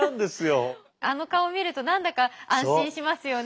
あの顔見ると何だか安心しますよね